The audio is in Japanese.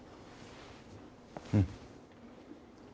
うん。